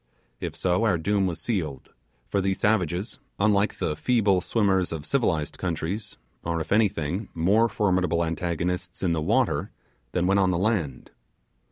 If so our doom was sealed, for these savages, unlike the feeble swimmer of civilized countries, are, if anything, more formidable antagonists in the water than when on the land.